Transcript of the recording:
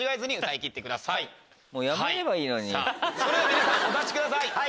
それでは皆さんお立ちください。